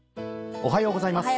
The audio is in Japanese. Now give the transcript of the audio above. おはようございます。